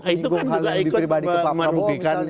itu kan juga ikut merugikan